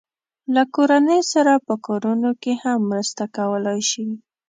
له کورنۍ سره په کارونو کې هم مرسته کولای شي.